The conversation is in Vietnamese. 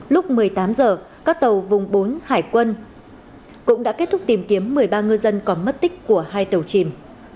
lúc một mươi tám h các tàu vùng bốn hải quân cũng đã kết thúc tìm kiếm một mươi ba ngư dân có mất tích của hai tàu chìm